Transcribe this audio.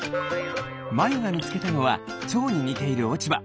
まゆがみつけたのはチョウににているオチバ。